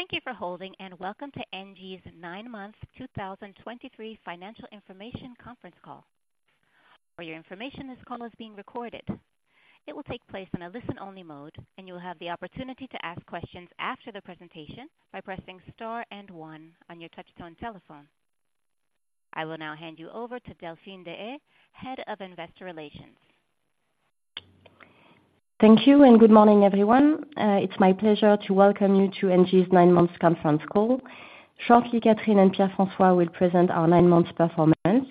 Thank you for holding, and welcome to ENGIE's nine-month 2023 financial information conference call. For your information, this call is being recorded. It will take place in a listen-only mode, and you will have the opportunity to ask questions after the presentation by pressing star and one on your touchtone telephone. I will now hand you over to Delphine Deshayes, Head of Investor Relations. Thank you, and good morning, everyone. It's my pleasure to welcome you to ENGIE's nine months conference call. Shortly, Catherine and Pierre-François will present our nine months performance,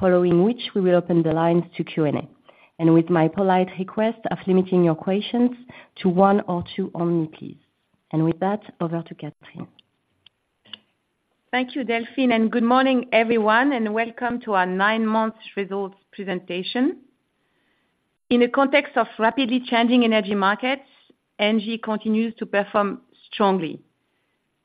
following which we will open the lines to Q&A. With my polite request of limiting your questions to one or two only, please. With that, over to Catherine. Thank you, Delphine, and good morning, everyone, and welcome to our nine months results presentation. In the context of rapidly changing energy markets, ENGIE continues to perform strongly,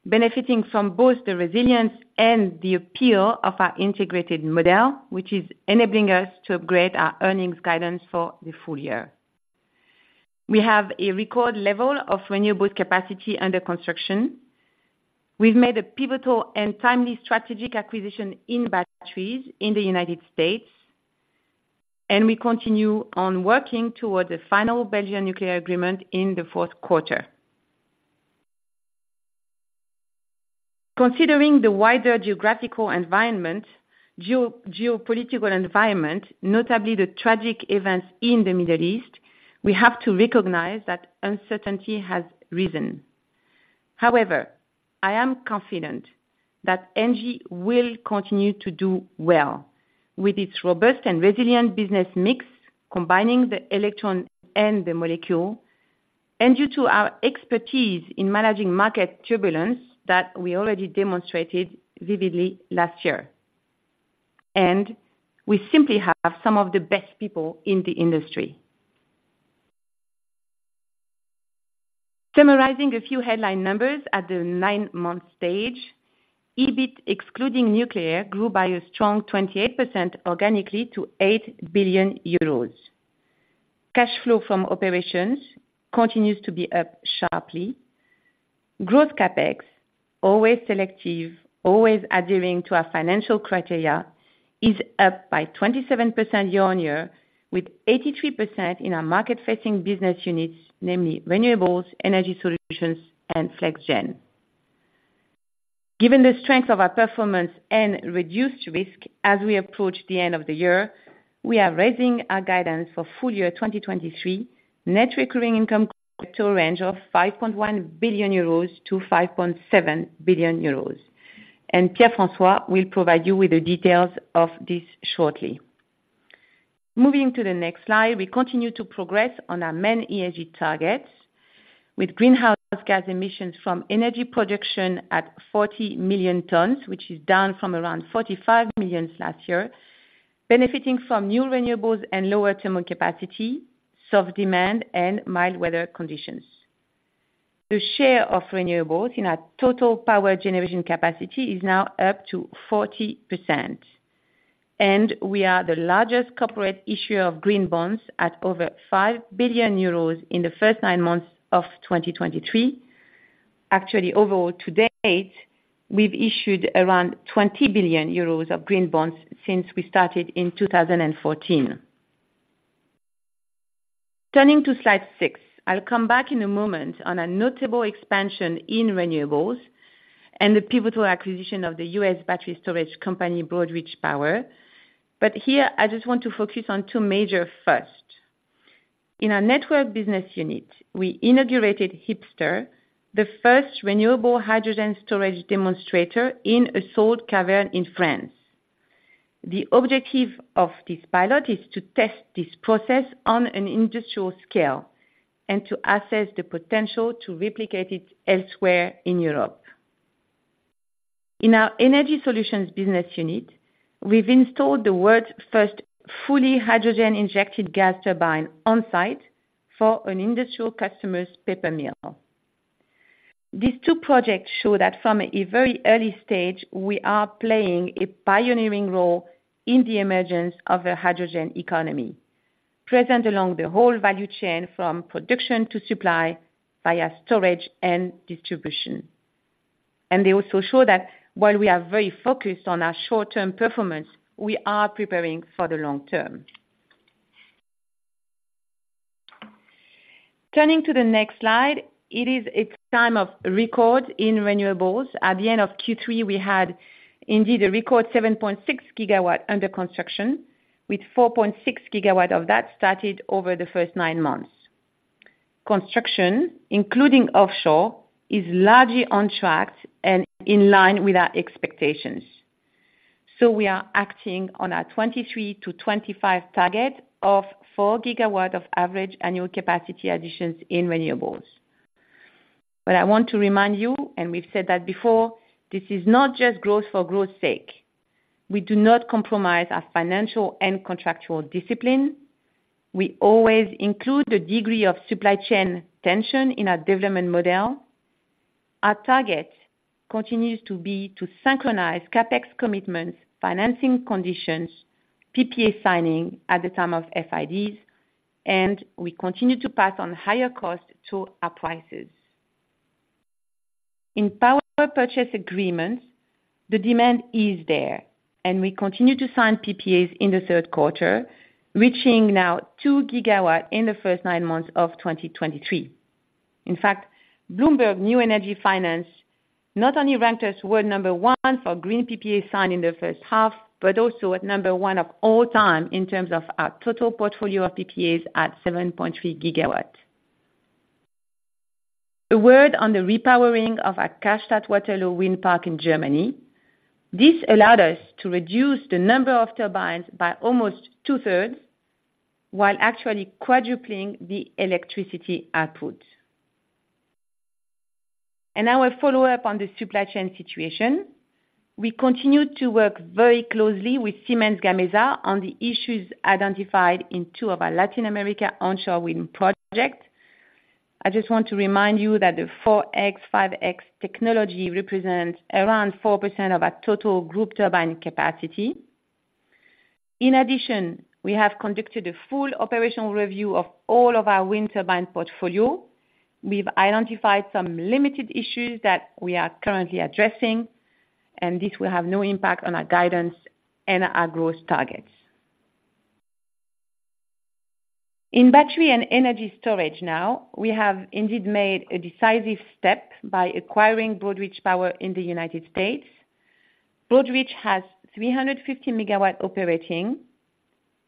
benefiting from both the resilience and the appeal of our integrated model, which is enabling us to upgrade our earnings guidance for the full-year. We have a record level of renewable capacity under construction. We've made a pivotal and timely strategic acquisition in batteries in the United States, and we continue on working towards a final Belgian nuclear agreement in the fourth quarter. Considering the wider geographical environment, geopolitical environment, notably the tragic events in the Middle East, we have to recognize that uncertainty has risen. However, I am confident that ENGIE will continue to do well with its robust and resilient business mix, combining the electron and the molecule, and due to our expertise in managing market turbulence that we already demonstrated vividly last year. We simply have some of the best people in the industry. Summarizing a few headline numbers at the nine-month stage, EBIT, excluding nuclear, grew by a strong 28% organically to 8 billion euros. Cash flow from operations continues to be up sharply. Growth CapEx, always selective, always adhering to our financial criteria, is up by 27% year-on-year, with 83% in our market-facing business units, namely Renewables, Energy Solutions and Flex Gen. Given the strength of our performance and reduced risk as we approach the end of the year, we are raising our guidance for full-year 2023, net recurring income to a range of 5.1 billion-5.7 billion euros. Pierre-François will provide you with the details of this shortly. Moving to the next slide, we continue to progress on our main ESG targets, with greenhouse gas emissions from energy production at 40 million tons, which is down from around 45 million last year, benefiting from new Renewables and lower thermal capacity, soft demand and mild weather conditions. The share of Renewables in our total power generation capacity is now up to 40%, and we are the largest corporate issuer of green bonds at over 5 billion euros in the first nine months of 2023. Actually, overall to date, we've issued around 20 billion euros of green bonds since we started in 2014. Turning to slide six. I'll come back in a moment on a notable expansion in Renewables and the pivotal acquisition of the U.S. battery storage company, Broad Reach Power. But here I just want to focus on two major first. In our Networks business unit, we inaugurated HyPSTER, the first renewable hydrogen storage demonstrator in a salt cavern in France. The objective of this pilot is to test this process on an industrial scale and to assess the potential to replicate it elsewhere in Europe. In our Energy Solutions business unit, we've installed the world's first fully hydrogen-injected gas turbine on site for an industrial customer's paper mill. These two projects show that from a very early stage, we are playing a pioneering role in the emergence of a hydrogen economy, present along the whole value chain, from production to supply, via storage and distribution. They also show that while we are very focused on our short-term performance, we are preparing for the long term. Turning to the next slide, it is a time of record in Renewables. At the end of Q3, we had indeed a record 7.6 GW under construction, with 4.6 GW of that started over the first nine months. Construction, including offshore, is largely on track and in line with our expectations, so we are acting on our 23-25 target of 4 GW of average annual capacity additions in Renewables. But I want to remind you, and we've said that before, this is not just growth for growth sake. We do not compromise our financial and contractual discipline. We always include the degree of supply chain tension in our development model. Our target continues to be to synchronize CapEx commitments, financing conditions, PPA signing at the time of FIDs, and we continue to pass on higher costs to our prices. In power purchase agreements, the demand is there, and we continue to sign PPAs in the third quarter, reaching now 2 GW in the first nine months of 2023. In fact, Bloomberg New Energy Finance not only ranked us world number one for green PPA signed in the first half, but also at number one of all time in terms of our total portfolio of PPAs at 7.3 GW. A word on the repowering of our Karstädt-Waterloo wind park in Germany. This allowed us to reduce the number of turbines by almost two-thirds, while actually quadrupling the electricity output. And now a follow-up on the supply chain situation. We continue to work very closely with Siemens Gamesa on the issues identified in two of our Latin America onshore wind projects. I just want to remind you that the 4.X, 5.X technology represents around 4% of our total group turbine capacity. In addition, we have conducted a full operational review of all of our wind turbine portfolio. We've identified some limited issues that we are currently addressing, and this will have no impact on our guidance and our growth targets. In battery and energy storage now, we have indeed made a decisive step by acquiring Broad Reach Power in the United States. Broad Reach Power has 350 MW operating,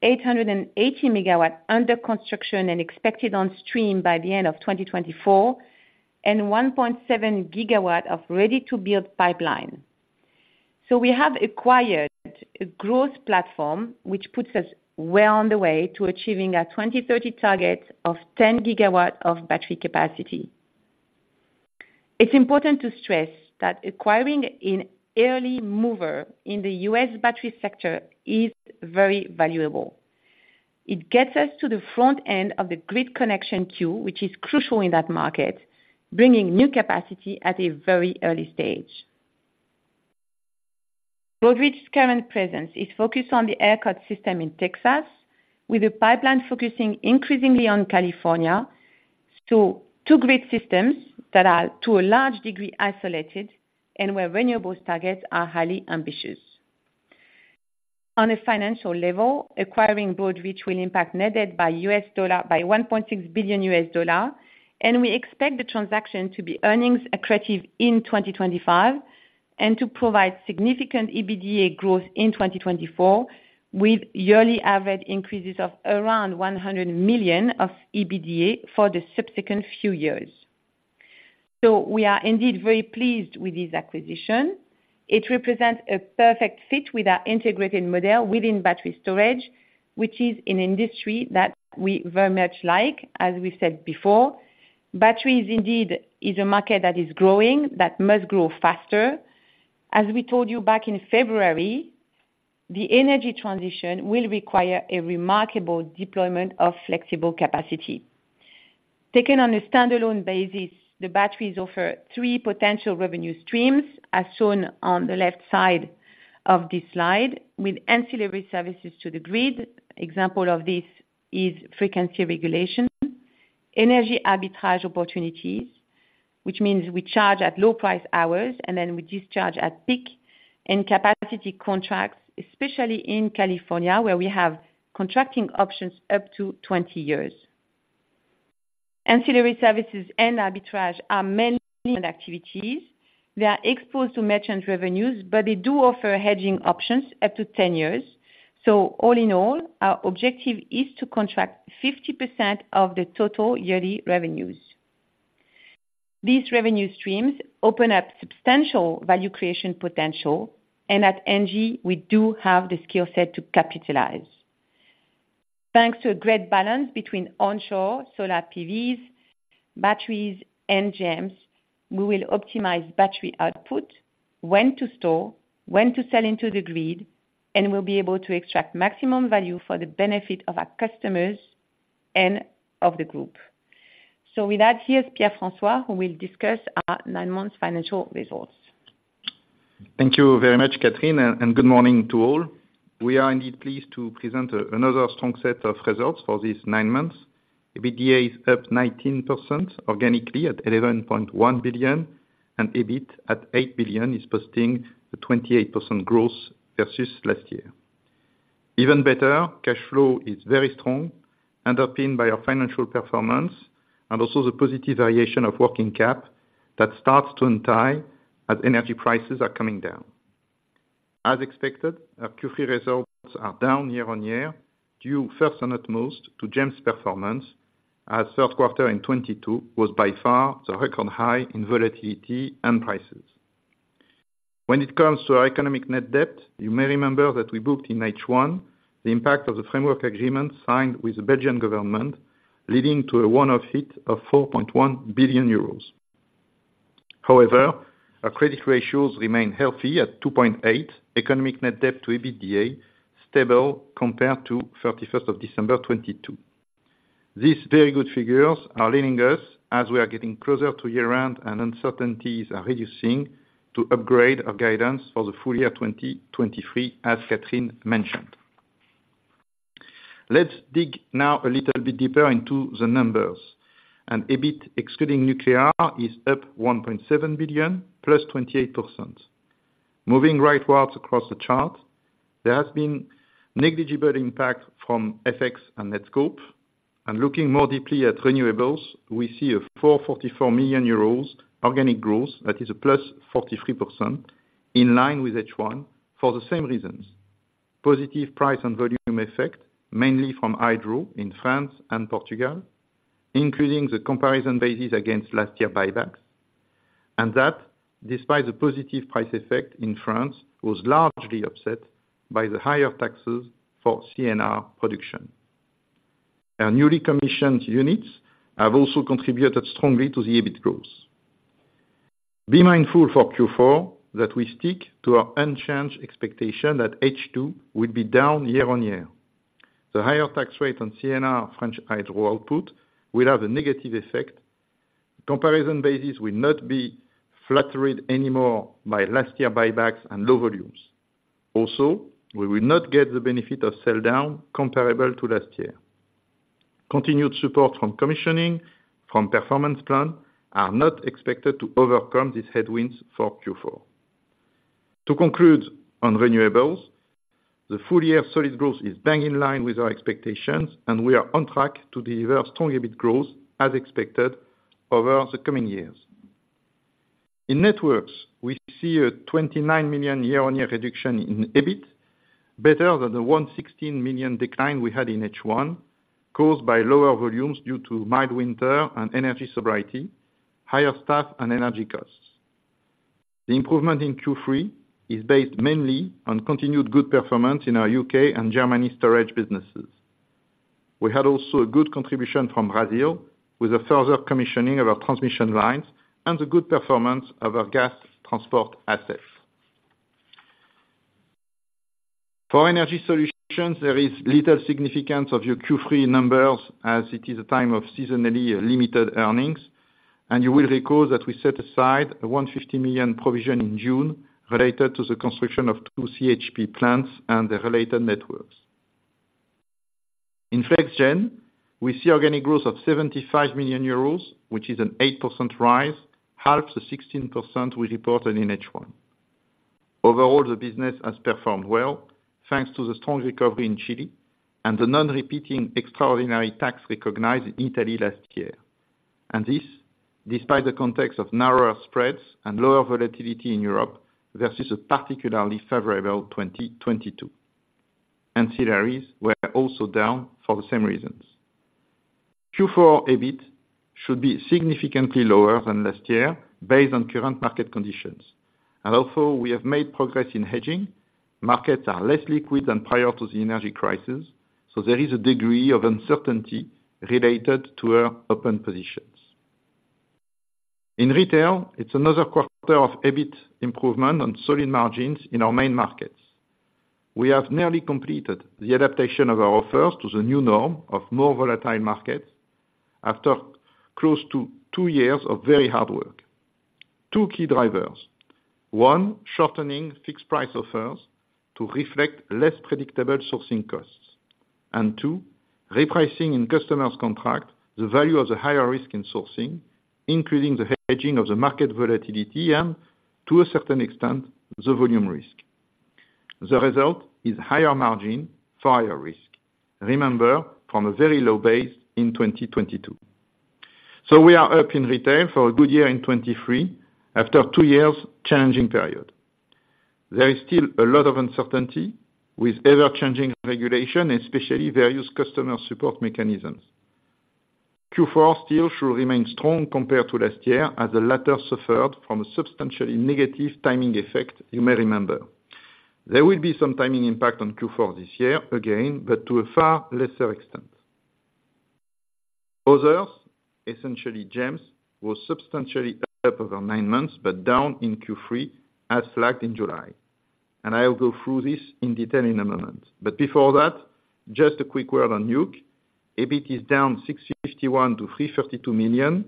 880 MW under construction and expected on stream by the end of 2024, and 1.7 GW of ready-to-build pipeline. So we have acquired a growth platform, which puts us well on the way to achieving our 2030 target of 10 GW of battery capacity. It's important to stress that acquiring an early mover in the U.S. battery sector is very valuable. It gets us to the front end of the grid connection queue, which is crucial in that market, bringing new capacity at a very early stage. Broad Reach Power's current presence is focused on the ERCOT system in Texas, with the pipeline focusing increasingly on California, so two grid systems that are to a large degree isolated and where Renewables targets are highly ambitious. On a financial level, acquiring Broad Reach Power will impact net debt by $1.6 billion, and we expect the transaction to be earnings accretive in 2025, and to provide significant EBITDA growth in 2024, with yearly average increases of around 100 million of EBITDA for the subsequent few years. So we are indeed very pleased with this acquisition. It represents a perfect fit with our integrated model within battery storage, which is an industry that we very much like, as we said before. Batteries, indeed, is a market that is growing, that must grow faster. As we told you back in February, the energy transition will require a remarkable deployment of flexible capacity. Taken on a standalone basis, the batteries offer three potential revenue streams, as shown on the left side of this slide. With Ancillary Services to the grid—for example, Frequency Regulation, energy arbitrage opportunities, which means we charge at low-price hours, and then we discharge at peak—and capacity contracts, especially in California, where we have contracting options up to 20 years. Ancillary Services and arbitrage are mainly activities. They are exposed to Merchant Revenues, but they do offer hedging options up to 10 years. So all in all, our objective is to contract 50% of the total yearly revenues. These revenue streams open up substantial value creation potential, and at ENGIE, we do have the skill set to capitalize. Thanks to a great balance between onshore solar PVs, batteries, and GEMS, we will optimize battery output, when to store, when to sell into the grid, and we'll be able to extract maximum value for the benefit of our customers and of the group. With that, here's Pierre-François, who will discuss our nine-month financial results. Thank you very much, Catherine, and good morning to all. We are indeed pleased to present another strong set of results for these nine months. EBITDA is up 19% organically at 11.1 billion, and EBIT at 8 billion is posting a 28% growth versus last year. Even better, cash flow is very strong, underpinned by our financial performance and also the positive variation of working cap that starts to unwind as energy prices are coming down. As expected, our Q3 results are down year-on-year, due first and foremost to GEMS's performance, as third quarter in 2022 was by far the record high in volatility and prices. When it comes to our economic net debt, you may remember that we booked in H1, the impact of the framework agreement signed with the Belgian government, leading to a one-off hit of 4.1 billion euros. However, our credit ratios remain healthy at 2.8. Economic net debt to EBITDA stable compared to December 31, 2022.... These very good figures are leading us, as we are getting closer to year end and uncertainties are reducing, to upgrade our guidance for the full-year 2023, as Catherine mentioned. Let's dig now a little bit deeper into the numbers, and EBIT, excluding nuclear, is up 1.7 billion, +28%. Moving rightwards across the chart, there has been negligible impact from FX and net scope, and looking more deeply at Renewables, we see 444 million euros organic growth, that is +43%, in line with H1 for the same reasons. Positive price and volume effect, mainly from hydro in France and Portugal, including the comparison basis against last year buybacks, and that, despite the positive price effect in France, was largely upset by the higher taxes for CNR production. Our newly commissioned units have also contributed strongly to the EBIT growth. Be mindful for Q4 that we stick to our unchanged expectation that H2 will be down year-on-year. The higher tax rate on CNR French hydro output will have a negative effect. Comparison basis will not be flattered anymore by last year buybacks and low volumes. Also, we will not get the benefit of sell down comparable to last year. Continued support from commissioning, from performance plan, are not expected to overcome these headwinds for Q4. To conclude on Renewables, the full-year solid growth is bang in line with our expectations, and we are on track to deliver strong EBIT growth as expected over the coming years. In Networks, we see a 29 million year-on-year reduction in EBIT, better than the 116 million decline we had in H1, caused by lower volumes due to mild winter and energy sobriety, higher staff and energy costs. The improvement in Q3 is based mainly on continued good performance in our U.K. and Germany storage businesses. We had also a good contribution from Brazil, with a further commissioning of our transmission lines and the good performance of our gas transport assets. For Energy Solutions, there is little significance of your Q3 numbers, as it is a time of seasonally limited earnings, and you will recall that we set aside a 150 million provision in June related to the construction of two CHP plants and the related Networks. in Flex Gen, we see organic growth of 75 million euros, which is an 8% rise, half the 16% we reported in H1. Overall, the business has performed well, thanks to the strong recovery in Chile and the non-repeating extraordinary tax recognized in Italy last year. And this, despite the context of narrower spreads and lower volatility in Europe, versus a particularly favorable 2022. Ancillaries were also down for the same reasons. Q4 EBIT should be significantly lower than last year based on current market conditions. Although we have made progress in hedging, markets are less liquid than prior to the energy crisis, so there is a degree of uncertainty related to our open positions. In retail, it's another quarter of EBIT improvement on solid margins in our main markets. We have nearly completed the adaptation of our offers to the new norm of more volatile markets after close to two years of very hard work. Two key drivers: one, shortening fixed price offers to reflect less predictable sourcing costs. And two, repricing in customers' contract, the value of the higher risk in sourcing, including the hedging of the market volatility and, to a certain extent, the volume risk. The result is higher margin, higher risk. Remember, from a very low base in 2022. We are up in retail for a good year in 2023, after two years challenging period. There is still a lot of uncertainty, with ever-changing regulation, especially various customer support mechanisms. Q4 still should remain strong compared to last year, as the latter suffered from a substantially negative timing effect, you may remember. There will be some timing impact on Q4 this year, again, but to a far lesser extent. Others, essentially GEMS, were substantially up over nine months, but down in Q3, as flagged in July. And I will go through this in detail in a moment. But before that, just a quick word on nuke. EBIT is down 651 million to 352 million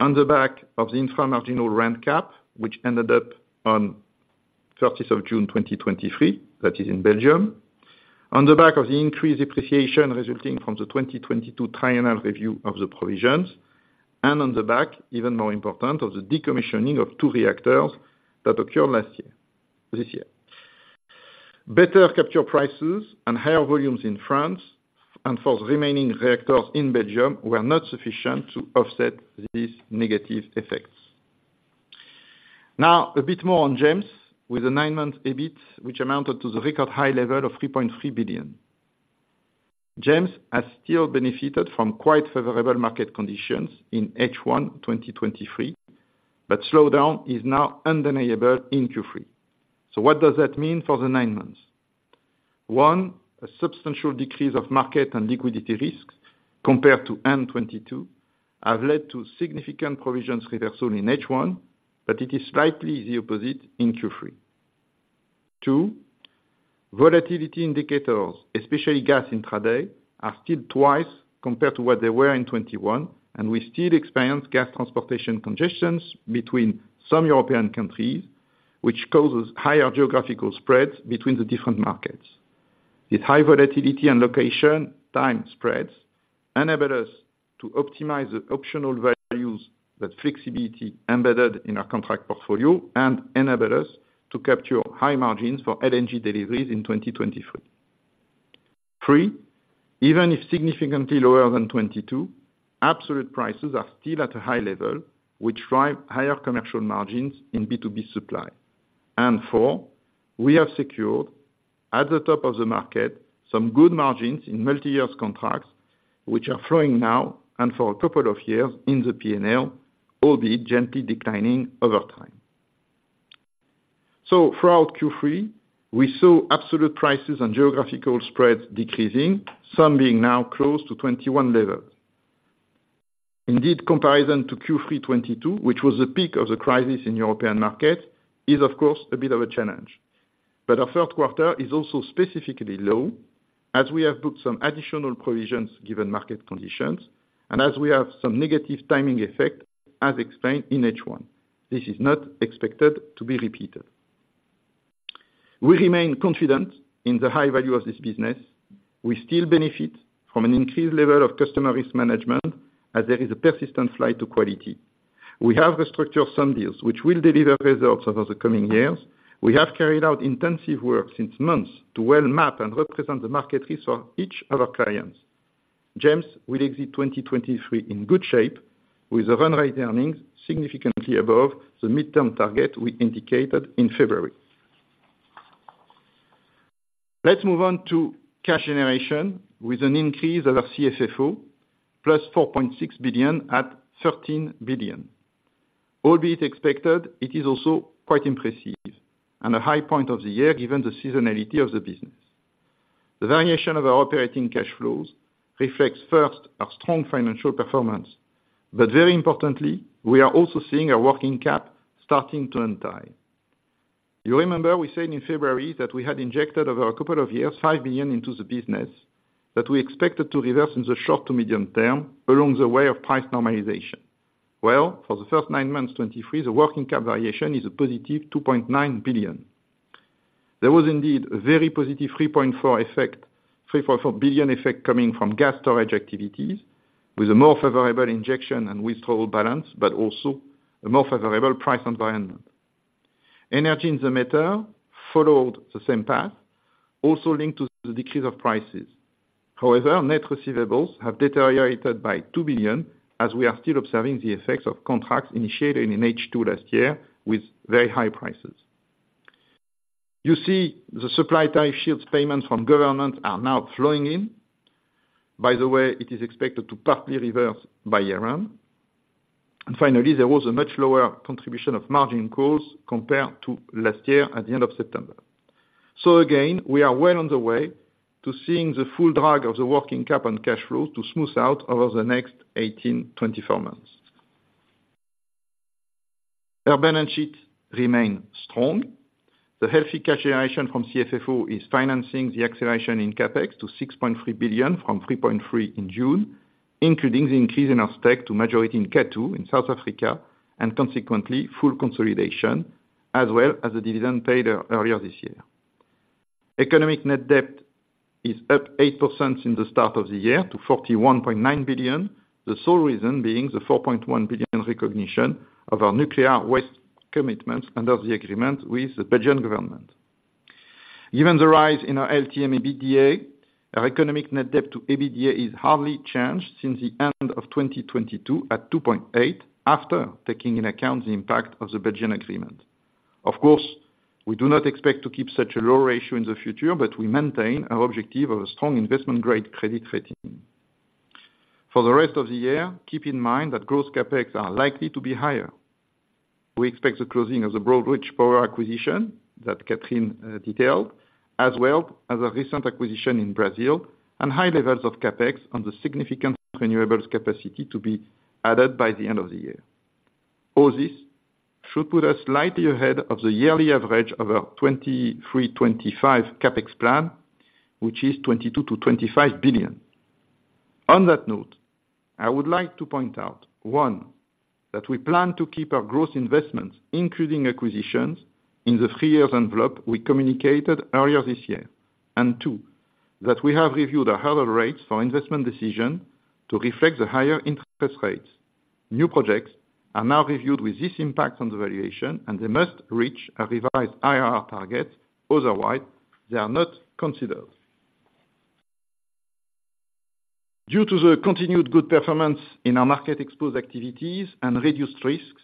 on the back of the infra-marginal rent cap, which ended up on 30th of June 2023, that is in Belgium. On the back of the increased depreciation resulting from the 2022 triennial review of the provisions, and on the back, even more important, of the decommissioning of two reactors that occurred last year, this year. Better capture prices and higher volumes in France, and for the remaining reactors in Belgium, were not sufficient to offset these negative effects. Now, a bit more on GEMS, with a nine-month EBIT, which amounted to the record high level of 3.3 billion. GEMS has still benefited from quite favorable market conditions in H1 2023, but slowdown is now undeniable in Q3. So what does that mean for the nine months? One, a substantial decrease of market and liquidity risks compared to end 2022 have led to significant provisions reversal in H1, but it is slightly the opposite in Q3.... Two, volatility indicators, especially gas intraday, are still twice compared to what they were in 2021, and we still experience gas transportation congestions between some European countries, which causes higher geographical spreads between the different markets. With high volatility and location, time spreads enable us to optimize the optional values that flexibility embedded in our contract portfolio and enable us to capture high margins for LNG deliveries in 2023. Three, even if significantly lower than 2022, absolute prices are still at a high level, which drive higher commercial margins in B2B supply. And four, we have secured, at the top of the market, some good margins in multi-years contracts, which are flowing now and for a couple of years in the P&L, albeit gently declining over time. So throughout Q3, we saw absolute prices and geographical spreads decreasing, some being now close to 2021 levels. Indeed, comparison to Q3 2022, which was the peak of the crisis in European market, is of course a bit of a challenge. But our third quarter is also specifically low, as we have booked some additional provisions, given market conditions, and as we have some negative timing effect, as explained in H1. This is not expected to be repeated. We remain confident in the high value of this business. We still benefit from an increased level of customer risk management, as there is a persistent flight to quality. We have restructured some deals which will deliver results over the coming years. We have carried out intensive work since months to well map and represent the market risk for each of our clients. GEMS will exit 2023 in good shape, with run rate earnings significantly above the midterm target we indicated in February. Let's move on to cash generation, with an increase of our CFFO, +4.6 billion to 13 billion. Albeit expected, it is also quite impressive and a high point of the year, given the seasonality of the business. The variation of our operating cash flows reflects first, our strong financial performance, but very importantly, we are also seeing a working cap starting to untie. You remember we said in February that we had injected over a couple of years, 5 billion into the business, that we expected to reverse in the short to medium term along the way of price normalization. Well, for the first nine months, 2023, the working capital variation is a positive +2.9 billion. There was indeed a very positive 3.4 effect, 3.4 billion effect coming from gas storage activities, with a more favorable injection and withdrawal balance, but also a more favorable price environment. Energy in the matter followed the same path, also linked to the decrease of prices. However, net receivables have deteriorated by 2 billion, as we are still observing the effects of contracts initiated in H2 last year with very high prices. You see, the supply type shields payments from government are now flowing in. By the way, it is expected to partly reverse by year-end. And finally, there was a much lower contribution of margin costs compared to last year at the end of September. So again, we are well on the way to seeing the full drag of the working cap and cash flow to smooth out over the next 18-24 months. Our balance sheet remain strong. The healthy cash generation from CFFO is financing the acceleration in CapEx to 6.3 billion from 3.3 billion in June, including the increase in our stake to majority in Q2 in South Africa, and consequently, full consolidation, as well as the dividend paid earlier this year. Economic net debt is up 8% since the start of the year to 41.9 billion, the sole reason being the 4.1 billion recognition of our nuclear waste commitments under the agreement with the Belgian government. Given the rise in our LTM EBITDA, our economic net debt to EBITDA is hardly changed since the end of 2022 at 2.8, after taking into account the impact of the Belgian agreement. Of course, we do not expect to keep such a low ratio in the future, but we maintain our objective of a strong investment grade credit rating. For the rest of the year, keep in mind that growth CapEx are likely to be higher. We expect the closing of the Broad Reach Power acquisition, that Catherine detailed, as well as a recent acquisition in Brazil, and high levels of CapEx on the significant Renewables capacity to be added by the end of the year. All this should put us slightly ahead of the yearly average of our 23-25 CapEx plan, which is 22 billion-25 billion. On that note, I would like to point out, one, that we plan to keep our growth investments, including acquisitions, in the three years envelope we communicated earlier this year. And two, that we have reviewed our hurdle rates for investment decision to reflect the higher interest rates. New projects are now reviewed with this impact on the valuation, and they must reach a revised IRR target, otherwise, they are not considered. Due to the continued good performance in our market exposed activities and reduced risks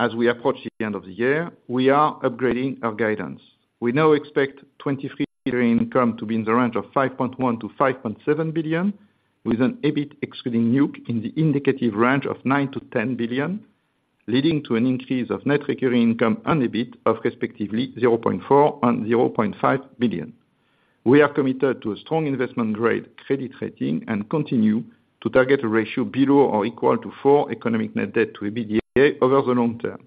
as we approach the end of the year, we are upgrading our guidance. We now expect 2023 recurring income to be in the range of 5.1 billion-5.7 billion, with an EBIT excluding nuke in the indicative range of 9 billion-10 billion, leading to an increase of net recurring income and EBIT of respectively 0.4 billion and 0.5 billion. We are committed to a strong investment grade credit rating, and continue to target a ratio below or equal to four economic net debt to EBITDA over the long term.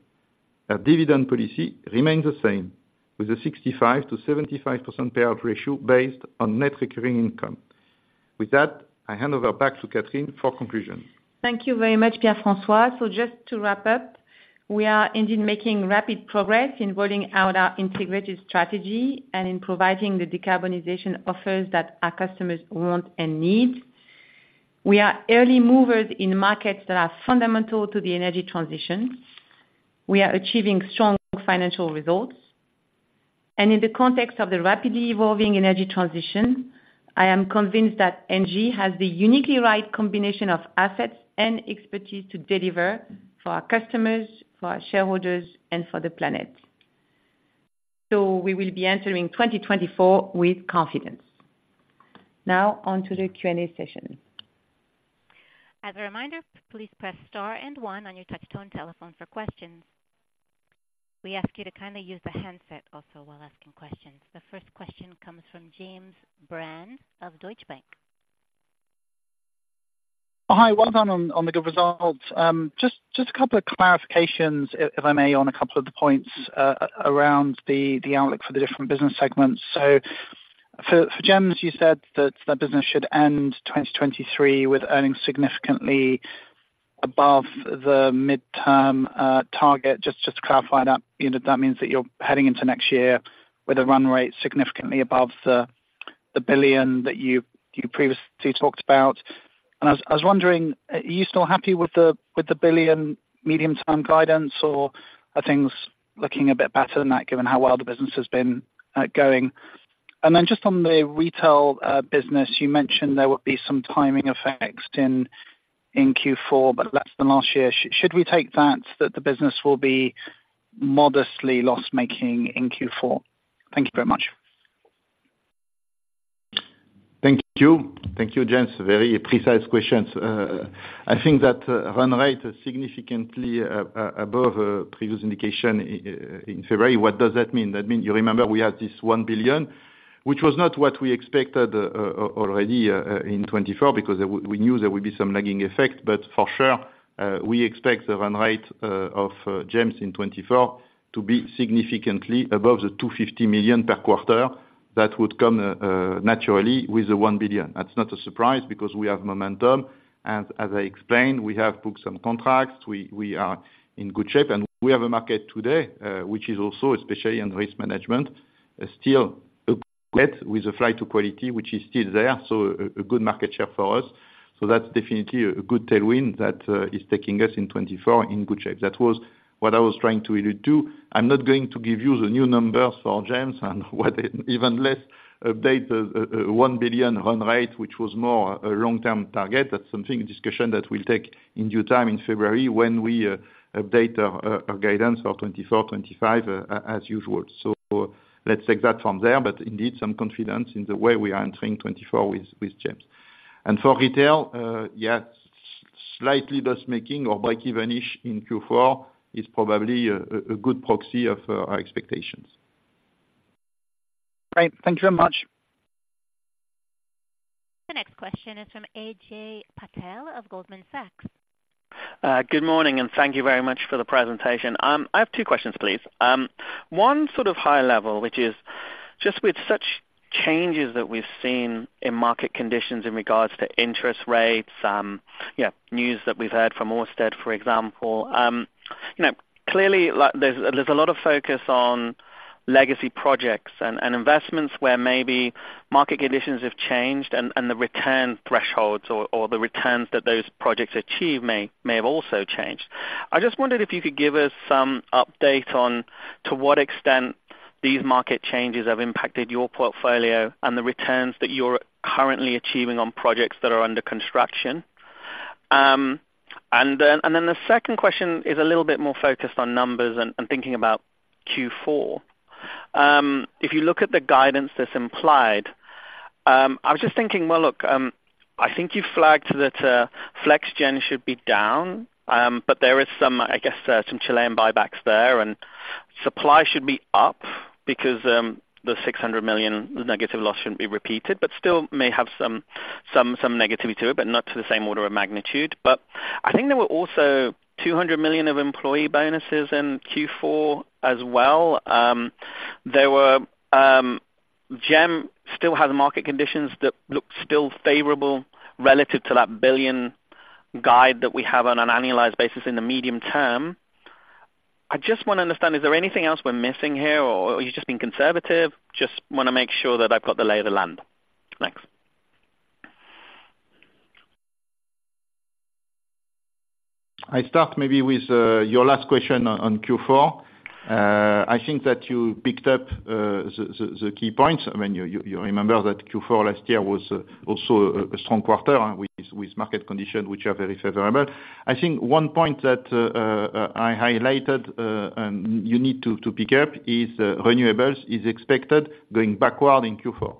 Our dividend policy remains the same, with a 65%-75% payout ratio based on net recurring income. With that, I hand over back to Catherine for conclusion. Thank you very much, Pierre-François. So just to wrap up, we are indeed making rapid progress in rolling out our integrated strategy and in providing the decarbonization offers that our customers want and need. We are early movers in markets that are fundamental to the energy transition. We are achieving strong financial results. And in the context of the rapidly evolving energy transition, I am convinced that ENGIE has the uniquely right combination of assets and expertise to deliver for our customers, for our shareholders, and for the planet. So we will be entering 2024 with confidence. Now on to the Q&A session. As a reminder, please press star and one on your touch-tone telephone for questions. We ask you to kindly use the handset also while asking questions. The first question comes from James Brand of Deutsche Bank. Hi, well done on the good results. Just a couple of clarifications, if I may, on a couple of the points around the outlook for the different business segments. So for GEMS, you said that the business should end 2023 with earnings significantly above the mid-term target. Just to clarify that, you know, that means that you're heading into next year with a run rate significantly above the 1 billion that you previously talked about. And I was wondering, are you still happy with the 1 billion medium-term guidance, or are things looking a bit better than that, given how well the business has been going? And then just on the retail business, you mentioned there would be some timing effects in Q4, but less than last year. Should we take that, that the business will be modestly loss making in Q4? Thank you very much. Thank you. Thank you, James. Very precise questions. I think that run rate is significantly above previous indication in February. What does that mean? That means you remember we had this 1 billion, which was not what we expected, already in 2024, because we knew there would be some lagging effect. But for sure, we expect the run rate of GEMS in 2024 to be significantly above the 250 million per quarter. That would come naturally with the 1 billion. That's not a surprise, because we have momentum, and as I explained, we have booked some contracts. We are in good shape, and we have a market today, which is also especially in risk management, still with the flight to quality, which is still there. So, a good market share for us. So that's definitely a good tailwind that is taking us in 2024 in good shape. That was what I was trying to allude to. I'm not going to give you the new numbers for GEMS and what even less update the, one billion run rate, which was more a long-term target. That's something, a discussion that we'll take in due time in February when we update our our guidance for 2024, 2025, as usual. So let's take that from there. But indeed, some confidence in the way we are entering 2024 with GEMS. And for retail, yeah, slightly loss making or breakeven-ish in Q4 is probably a good proxy of our expectations. Great. Thank you very much. The next question is from Ajay Patel of Goldman Sachs. Good morning, and thank you very much for the presentation. I have two questions, please. One sort of high level, which is just with such changes that we've seen in market conditions in regards to interest rates, yeah, news that we've heard from Ørsted, for example. You know, clearly, like, there's a lot of focus on legacy projects and investments where maybe market conditions have changed and the return thresholds or the returns that those projects achieve may have also changed. I just wondered if you could give us some update on to what extent these market changes have impacted your portfolio and the returns that you're currently achieving on projects that are under construction. And then the second question is a little bit more focused on numbers and thinking about Q4. If you look at the guidance that's implied, I was just thinking, look, I think you flagged that Flex Gen should be down, but there is some, I guess, some Chilean buybacks there, and supply should be up because the 600 million negative loss shouldn't be repeated, but still may have some negativity to it, but not to the same order of magnitude. But I think there were also 200 million of employee bonuses in Q4 as well. There were, GEMS still has market conditions that look still favorable relative to that 1 billion guide that we have on an annualized basis in the medium term. I just wanna understand, is there anything else we're missing here, or are you just being conservative? Just wanna make sure that I've got the lay of the land. Thanks. I start maybe with your last question on Q4. I think that you picked up the key points. I mean, you remember that Q4 last year was also a strong quarter with market conditions which are very favorable. I think one point that I highlighted you need to pick up is Renewables is expected going backward in Q4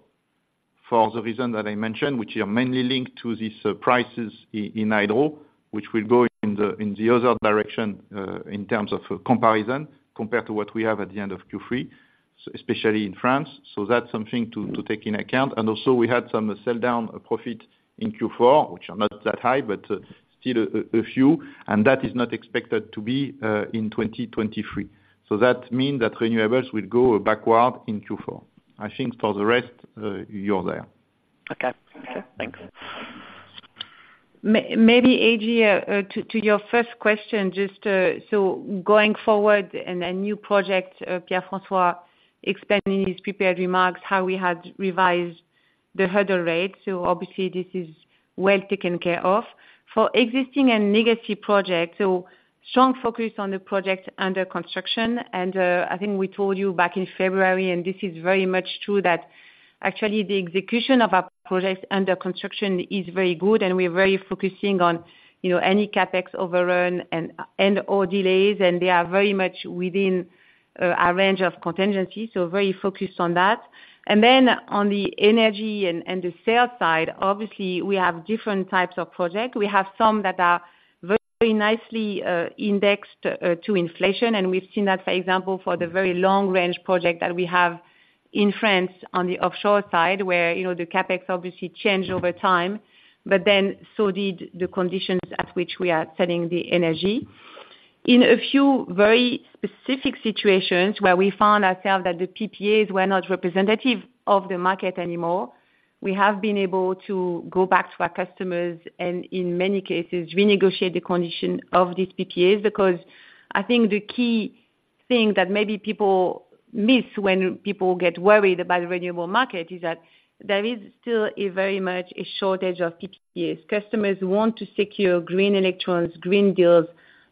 for the reason that I mentioned, which are mainly linked to these prices in hydro, which will go in the other direction in terms of comparison, compared to what we have at the end of Q3, especially in France. So that's something to take into account. And also we had some sell down profit in Q4, which are not that high, but still a few, and that is not expected to be in 2023. So that mean that Renewables will go backward in Q4. I think for the rest, you're there. Okay. Thanks. Maybe Ajay, to your first question, just, so going forward and a new project, Pierre-François expanding his prepared remarks, how we had revised the hurdle rate. So obviously this is well taken care of. For existing and legacy projects, so strong focus on the project under construction, and I think we told you back in February, and this is very much true, that actually the execution of our projects under construction is very good, and we're very focusing on, you know, any CapEx overrun and/or delays, and they are very much within our range of contingencies, so very focused on that. And then on the energy and the sales side, obviously, we have different types of projects. We have some that are very nicely indexed to inflation, and we've seen that, for example, for the very long range project that we have in France on the offshore side, where, you know, the CapEx obviously changed over time, but then so did the conditions at which we are selling the energy. In a few very specific situations where we found ourselves that the PPAs were not representative of the market anymore, we have been able to go back to our customers, and in many cases, renegotiate the condition of these PPAs. Because I think the key thing that maybe people miss when people get worried about the renewable market is that there is still a very much a shortage of PPAs. Customers want to secure green electrons, green deals,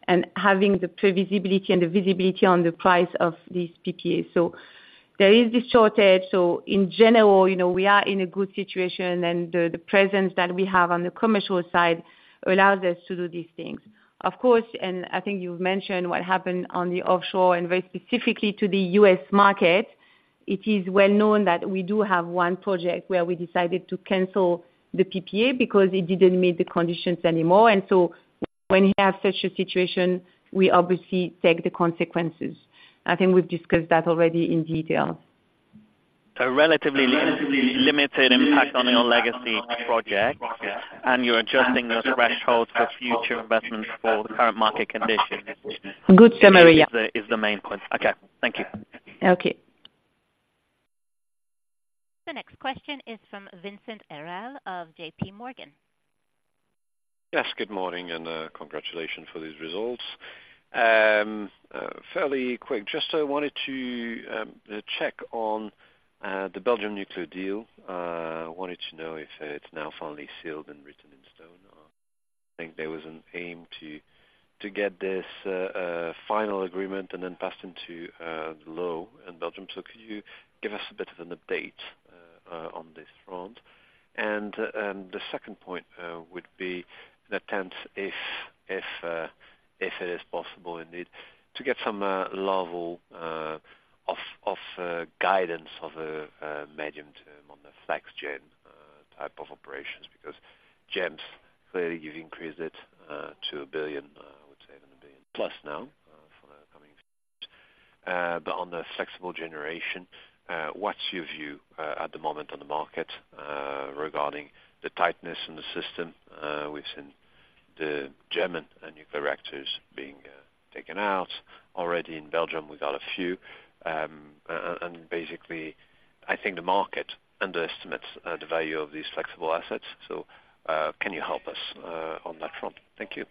and having the predictability and the visibility on the price of these PPAs. There is this shortage, so in general, you know, we are in a good situation, and the, the presence that we have on the commercial side allows us to do these things. Of course, and I think you've mentioned what happened on the offshore and very specifically to the U.S. market, it is well known that we do have one project where we decided to cancel the PPA because it didn't meet the conditions anymore. So when you have such a situation, we obviously take the consequences. I think we've discussed that already in detail. A relatively limited impact on your legacy project, and you're adjusting those thresholds for future investments for the current market conditions. Good summary, yeah. Is the main point. Okay, thank you. Okay. The next question is from Vincent Ayral of JPMorgan. Yes, good morning, and congratulations for these results. Fairly quick, just wanted to check on the Belgium nuclear deal. Wanted to know if it's now finally sealed and written in stone, or I think there was an aim to get this final agreement and then passed into law in Belgium. So could you give us a bit of an update on this front? And the second point would be in attempt if it is possible indeed to get some level of guidance of a medium term on the Flex Gen type of operations, because GEMS, clearly you've increased it to 1 billion, I would say even 1 billion-plus now, for the coming years. But on the Flexible Generation, what's your view at the moment on the market regarding the tightness in the system? We've seen the German and nuclear reactors being taken out. Already in Belgium, we got a few. And basically, I think the market underestimates the value of these flexible assets. So, can you help us on that front? Thank you.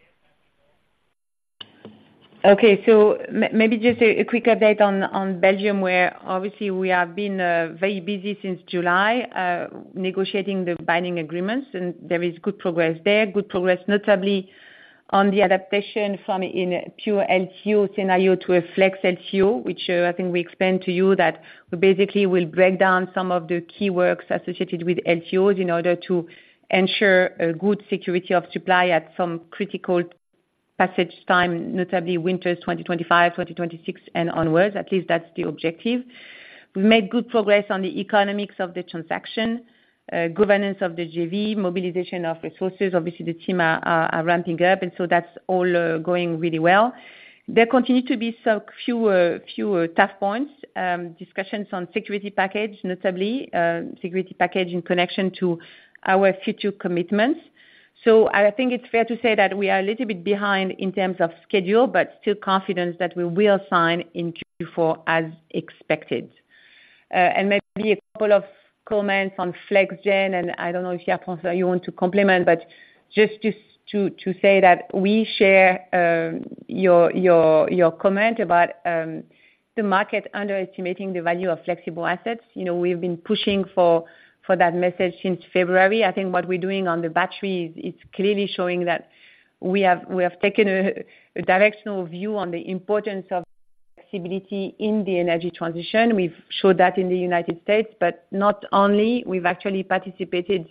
Okay. So maybe just a quick update on Belgium, where obviously we have been very busy since July negotiating the binding agreements, and there is good progress there. Good progress, notably on the adaptation from a pure LTO scenario to a flex LTO, which I think we explained to you that we basically will break down some of the key works associated with LTOs in order to ensure a good security of supply at some critical passage time, notably winters 2025, 2026 and onwards. At least that's the objective. We've made good progress on the economics of the transaction, governance of the JV, mobilization of resources. Obviously, the team are ramping up, and so that's all going really well. There continue to be some fewer tough points, discussions on security package, notably, security package in connection to our future commitments. So I think it's fair to say that we are a little bit behind in terms of schedule, but still confidence that we will sign in Q4 as expected. And maybe a couple of comments on Flex Gen, and I don't know if you, François, want to complement, but just to say that we share your comment about the market underestimating the value of flexible assets. You know, we've been pushing for that message since February. I think what we're doing on the battery is clearly showing that we have taken a directional view on the importance of flexibility in the energy transition. We've showed that in the United States, but not only, we've actually participated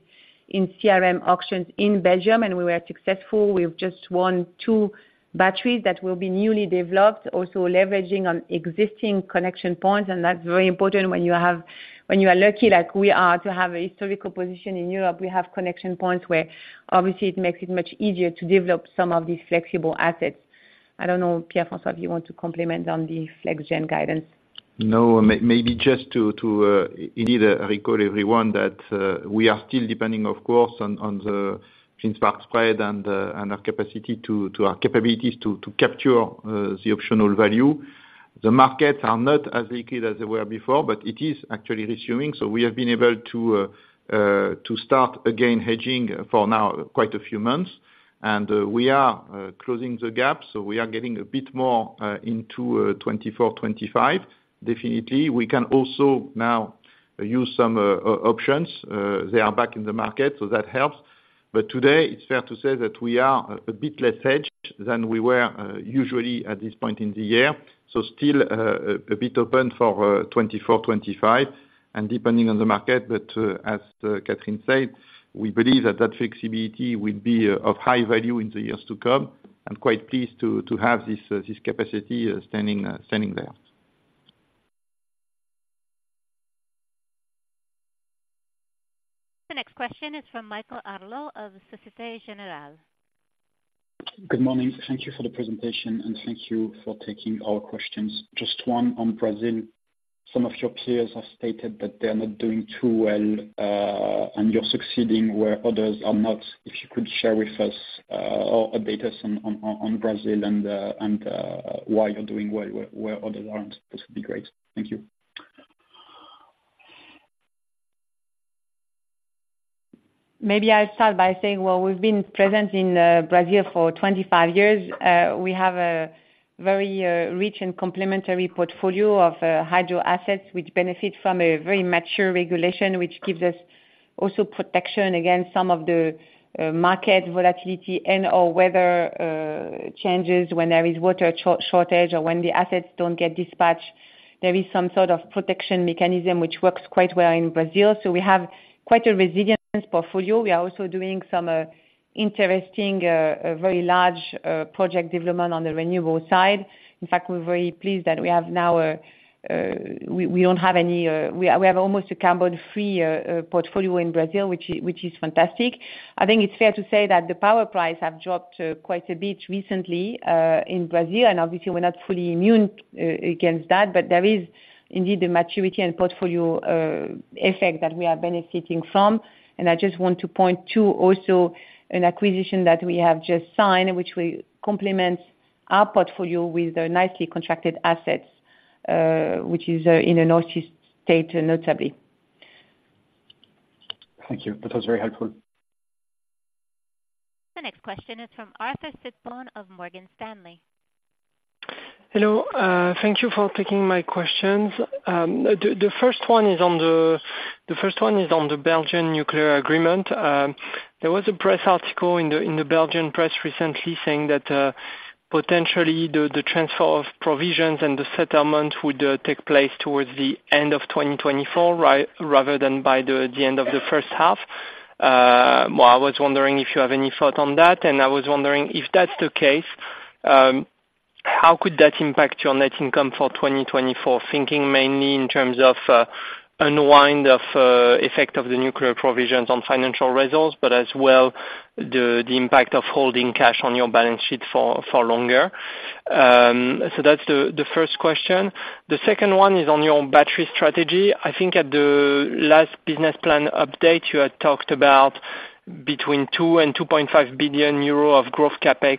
in CRM auctions in Belgium, and we were successful. We've just won two batteries that will be newly developed, also leveraging on existing connection points, and that's very important when you are lucky, like we are, to have a historical position in Europe. We have connection points where obviously it makes it much easier to develop some of these flexible assets. I don't know, Pierre-François, if you want to comment on the Flex Gen guidance? No, maybe just to indeed recall everyone that we are still depending of course on the spread and our capacity to our capabilities to capture the optional value. The markets are not as liquid as they were before, but it is actually resuming, so we have been able to to start again, hedging for now, quite a few months. And we are closing the gap, so we are getting a bit more into 2024, 2025. Definitely. We can also now use some options. They are back in the market, so that helps. But today, it's fair to say that we are a bit less hedged than we were usually at this point in the year, so still a bit open for 2024, 2025, and depending on the market. But as Catherine said, we believe that that flexibility will be of high value in the years to come. I'm quite pleased to have this capacity standing there. The next question is from Michael Harleaux of Société Générale. Good morning. Thank you for the presentation, and thank you for taking our questions. Just one on Brazil. Some of your peers have stated that they're not doing too well, and you're succeeding where others are not. If you could share with us or update us on Brazil and why you're doing well, where others aren't, this would be great. Thank you. Maybe I'll start by saying, well, we've been present in Brazil for 25 years. We have a very rich and complementary portfolio of hydro assets, which benefit from a very mature regulation, which gives us also protection against some of the market volatility and/or weather changes when there is water shortage, or when the assets don't get dispatched, there is some sort of protection mechanism which works quite well in Brazil. So we have quite a resilient portfolio. We are also doing some interesting, a very large project development on the renewable side. In fact, we're very pleased that we have now a. We don't have any, we have almost a carbon-free portfolio in Brazil, which is fantastic. I think it's fair to say that the power prices have dropped quite a bit recently in Brazil, and obviously we're not fully immune against that, but there is indeed a maturity and portfolio effect that we are benefiting from. I just want to point to also an acquisition that we have just signed, which will complement our portfolio with the nicely contracted assets, which is in a northeast state, notably. Thank you. That was very helpful. The next question is from Arthur Sitbon of Morgan Stanley. Hello, thank you for taking my questions. The first one is on the Belgian nuclear agreement. There was a press article in the Belgian press recently saying that potentially the transfer of provisions and the settlement would take place towards the end of 2024, rather than by the end of the first half. Well, I was wondering if you have any thought on that, and I was wondering if that's the case, how could that impact your net income for 2024? Thinking mainly in terms of unwind of effect of the nuclear provisions on financial results, but as well the impact of holding cash on your balance sheet for longer. So that's the first question. The second one is on your battery strategy. I think at the last business plan update, you had talked about between 2 billion and 2.5 billion euro of growth CapEx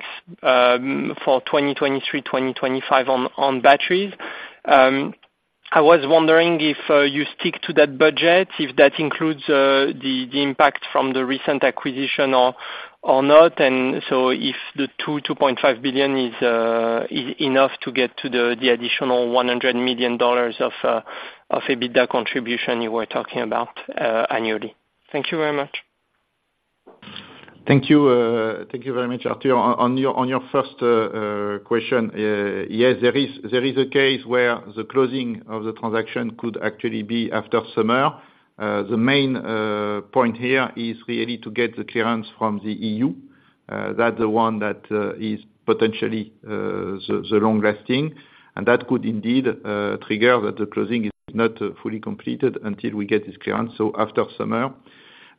for 2023-2025 on batteries. I was wondering if you stick to that budget, if that includes the impact from the recent acquisition or not, and so if the 2-2.5 billion is enough to get to the additional $100 million of EBITDA contribution you were talking about annually. Thank you very much. Thank you very much, Arthur. On your first question, yes, there is a case where the closing of the transaction could actually be after summer. The main point here is really to get the clearance from the EU. That's the one that is potentially the long lasting, and that could indeed trigger that the closing is not fully completed until we get this clearance, so after summer.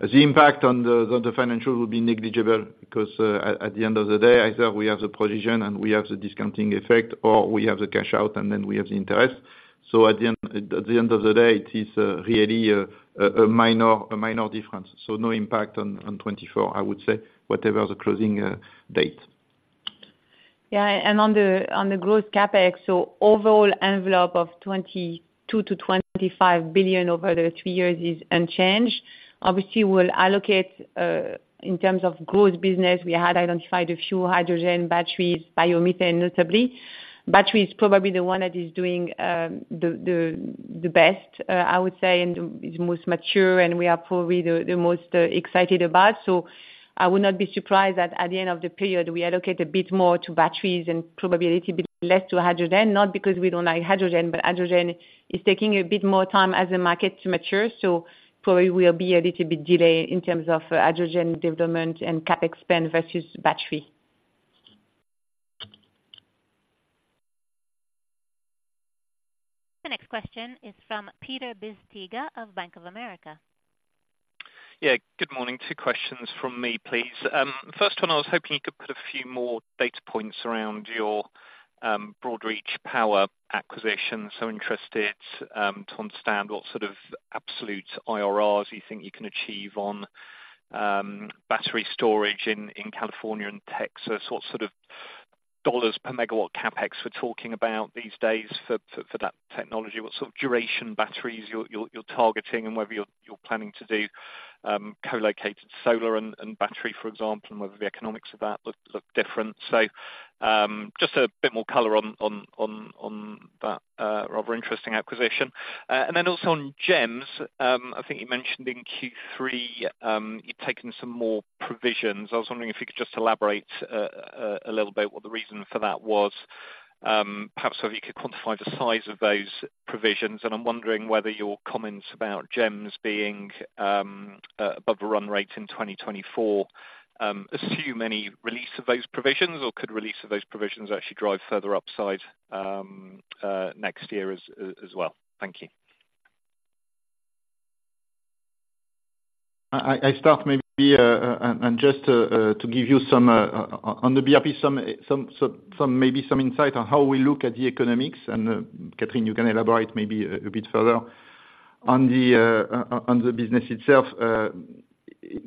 The impact on the financial will be negligible, because at the end of the day, either we have the provision and we have the discounting effect, or we have the cash out, and then we have the interest. So at the end of the day, it is really a minor difference, so no impact on 2024, I would say, whatever the closing date. Yeah, and on the growth CapEx, so overall envelope of 22 billion-25 billion over the three years is unchanged. Obviously, we'll allocate in terms of growth business, we had identified a few hydrogen, batteries, biomethane, notably. Battery is probably the one that is doing the best, I would say, and is most mature, and we are probably the most excited about. I would not be surprised that at the end of the period, we allocate a bit more to batteries and probably a bit less to hydrogen, not because we don't like hydrogen, but hydrogen is taking a bit more time as a market to mature, so probably will be a little bit delay in terms of hydrogen development and CapEx spend versus battery. The next question is from Peter Bisztyga of Bank of America. Yeah, good morning. Two questions from me, please. First one, I was hoping you could put a few more data points around your Broad Reach Power acquisition. So interested to understand what sort of absolute IRRs you think you can achieve on battery storage in California and Texas. What sort of dollars per megawatt CapEx we're talking about these days for that technology? What sort of duration batteries you're targeting, and whether you're planning to do co-located solar and battery, for example, and whether the economics of that look different. So just a bit more color on that rather interesting acquisition. And then also on GEMS, I think you mentioned in Q3, you've taken some more provisions. I was wondering if you could just elaborate a little bit what the reason for that was. Perhaps whether you could quantify the size of those provisions, and I'm wondering whether your comments about GEMS being above a run rate in 2024 next year as well? Thank you. I start maybe and just to give you some on the BRP, some insight on how we look at the economics, and Catherine, you can elaborate maybe a bit further. On the business itself,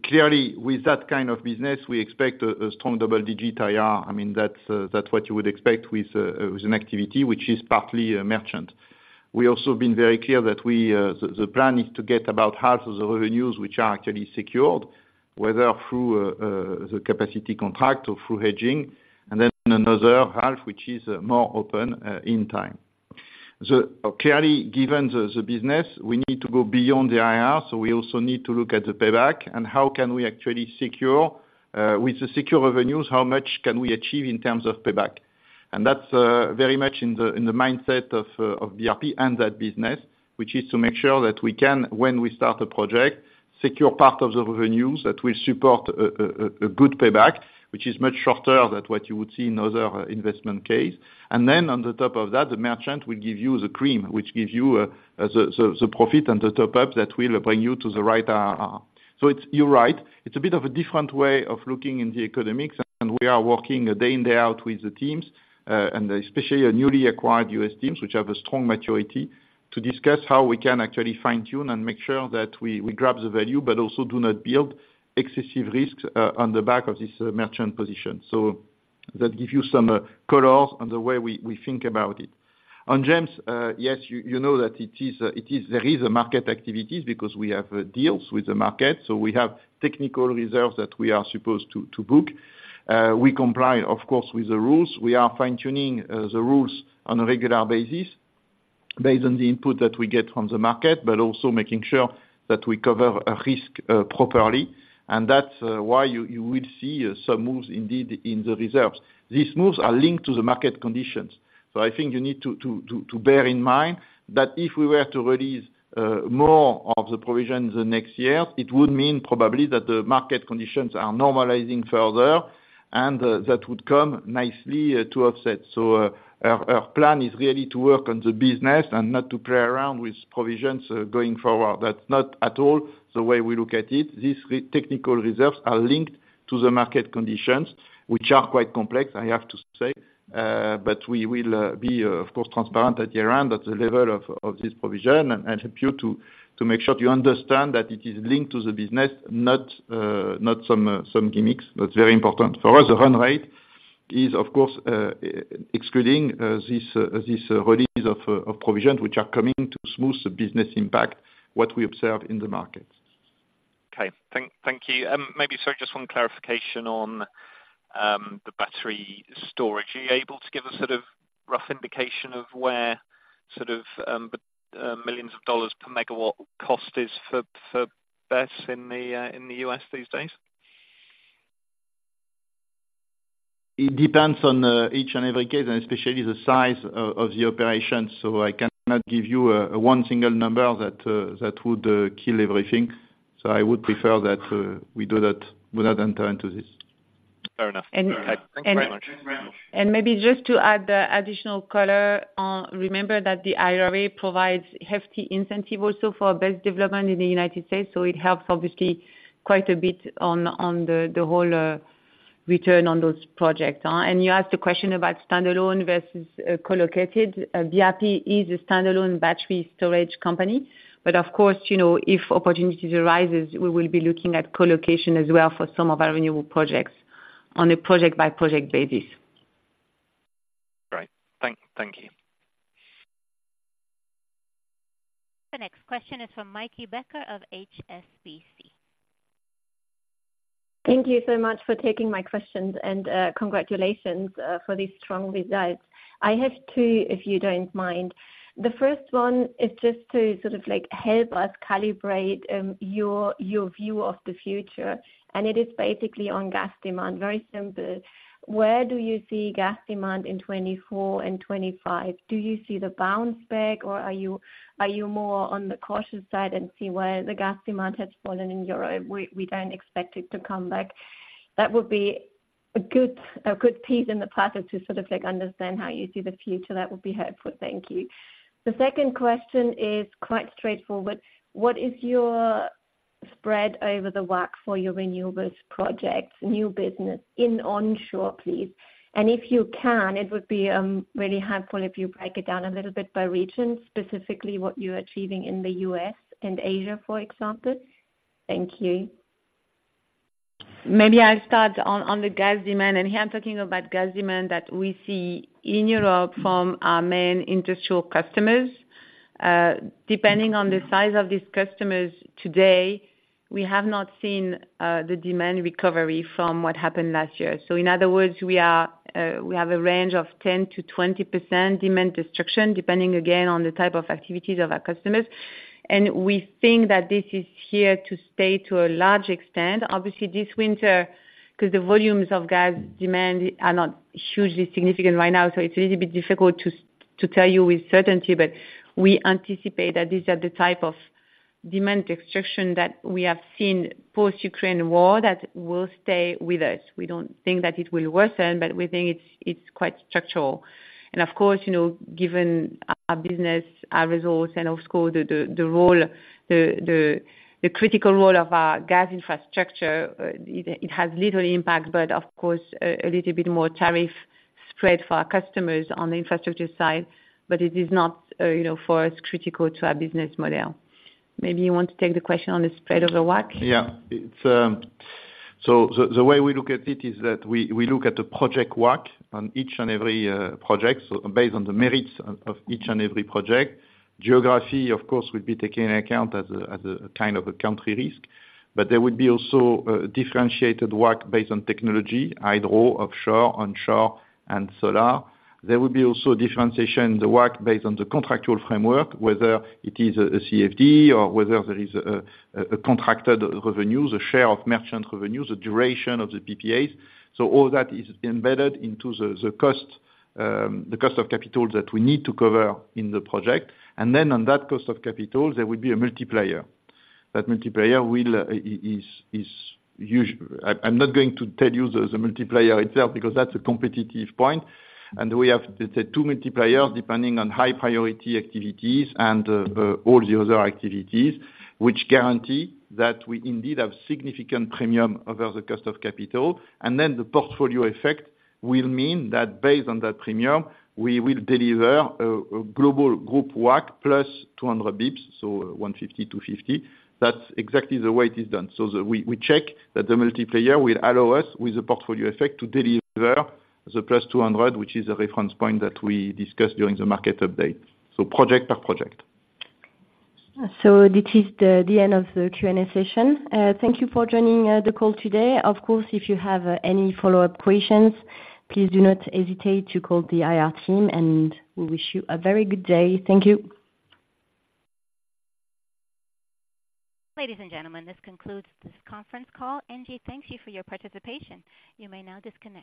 clearly, with that kind of business, we expect a strong double-digit IR. I mean, that's what you would expect with an activity which is partly a merchant. We also been very clear that the plan is to get about half of the revenues, which are actually secured, whether through the capacity contract or through hedging, and then another half, which is more open in time. So clearly, given the business, we need to go beyond the IR, so we also need to look at the payback and how can we actually secure with the secure revenues, how much can we achieve in terms of payback? And that's very much in the mindset of BRP and that business, which is to make sure that we can, when we start a project, secure part of the revenues that will support a good payback, which is much shorter than what you would see in other investment case. And then on the top of that, the merchant will give you the cream, which gives you the profit and the top-up that will bring you to the right RR. So it's... You're right, it's a bit of a different way of looking in the economics, and we are working day in, day out with the teams, and especially our newly acquired U.S. teams, which have a strong maturity, to discuss how we can actually fine-tune and make sure that we, we grab the value, but also do not build excessive risks, on the back of this merchant position. So that give you some colors on the way we, we think about it. On GEMS, yes, you, you know that it is a, it is, there is a market activities because we have, deals with the market, so we have technical reserves that we are supposed to, to book. We comply, of course, with the rules. We are fine-tuning the rules on a regular basis, based on the input that we get from the market, but also making sure that we cover a risk properly, and that's why you will see some moves indeed in the reserves. These moves are linked to the market conditions, so I think you need to bear in mind that if we were to release more of the provision the next year, it would mean probably that the market conditions are normalizing further, and that would come nicely to offset. So, our plan is really to work on the business and not to play around with provisions going forward. That's not at all the way we look at it. These regulatory technical reserves are linked to the market conditions, which are quite complex, I have to say. But we will be, of course, transparent at the end at the level of this provision, and help you to make sure you understand that it is linked to the business, not some gimmicks. That's very important. For us, the run rate is, of course, excluding this release of provision, which are coming to smooth the business impact, what we observe in the market. Okay. Thank you. Maybe, sorry, just one clarification on the battery storage. Are you able to give a sort of rough indication of where sort of the millions of dollars per megawatt cost is for BESS in the U.S. these days? It depends on each and every case, and especially the size of the operation, so I cannot give you one single number that would kill everything. So I would prefer that we do that without entering into this. Fair enough. And- Thank you very much. And maybe just to add, additional color on, remember that the IRA provides hefty incentive also for best development in the United States, so it helps obviously quite a bit on the whole return on those projects. And you asked the question about standalone versus co-located. BRP is a standalone battery storage company, but of course, you know, if opportunities arises, we will be looking at co-location as well for some of our renewable projects, on a project-by-project basis. Great. Thank you. The next question is from Meike Becker of HSBC. Thank you so much for taking my questions, and congratulations for these strong results. I have two, if you don't mind. The first one is just to sort of like help us calibrate your view of the future, and it is basically on gas demand, very simple. Where do you see gas demand in 2024 and 2025? Do you see the bounce back, or are you more on the cautious side and see where the gas demand has fallen in Europe, we don't expect it to come back? That would be a good piece in the puzzle to sort of like understand how you see the future. That would be helpful. Thank you. The second question is quite straightforward: what is your spread over the WACC for your Renewables projects, new business in onshore, please? If you can, it would be really helpful if you break it down a little bit by region, specifically what you're achieving in the U.S. and Asia, for example. Thank you. Maybe I'll start on the gas demand, and here I'm talking about gas demand that we see in Europe from our main industrial customers. Depending on the size of these customers today, we have not seen the demand recovery from what happened last year. So in other words, we have a range of 10%-20% demand destruction, depending again on the type of activities of our customers. And we think that this is here to stay to a large extent. Obviously, this winter, 'cause the volumes of gas demand are not hugely significant right now, so it's a little bit difficult to tell you with certainty. But we anticipate that these are the type of demand destruction that we have seen post-Ukraine war that will stay with us. We don't think that it will worsen, but we think it's quite structural. And of course, you know, given our business, our results, and of course, the critical role of our gas infrastructure, it has little impact, but of course, a little bit more tariff spread for our customers on the infrastructure side, but it is not, you know, for us, critical to our business model. Maybe you want to take the question on the spread of the WACC? Yeah. It's, So, the way we look at it is that we look at the project WACC on each and every project, so based on the merits of each and every project. Geography, of course, will be taken into account as a kind of a country risk, but there would be also differentiated WACC based on technology, hydro, offshore, onshore, and solar. There would be also differentiation the WACC based on the contractual framework, whether it is a CFD or whether there is a contracted revenue, the share of merchant revenue, the duration of the PPAs. So all that is embedded into the cost of capital that we need to cover in the project. And then on that cost of capital, there would be a multiplier. That multiplier will, is, I'm not going to tell you the, the multiplier itself, because that's a competitive point, and we have, let's say, two multipliers, depending on high priority activities and all the other activities, which guarantee that we indeed have significant premium over the cost of capital. And then the portfolio effect will mean that based on that premium, we will deliver a global group WACC plus 200 basis points, so 150, 250. That's exactly the way it is done. So we check that the multiplier will allow us, with the portfolio effect, to deliver the plus 200, which is a reference point that we discussed during the market update. So project per project. So this is the end of the Q&A session. Thank you for joining the call today. Of course, if you have any follow-up questions, please do not hesitate to call the IR team, and we wish you a very good day. Thank you. Ladies and gentlemen, this concludes this conference call. ENGIE thanks you for your participation. You may now disconnect.